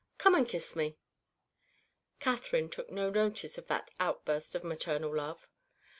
Come and kiss me." Catherine took no notice of that outburst of maternal love.